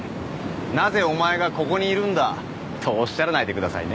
なぜお前がここにいるんだとおっしゃらないでくださいね